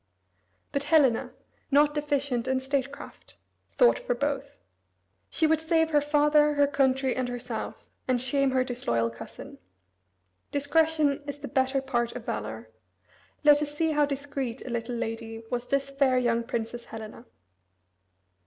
But Helena, "not deficient in statecraft," thought for both. She would save her father, her country, and herself, and shame her disloyal cousin. Discretion is the better part of valor. Let us see how discreet a little lady was this fair young Princess Helena.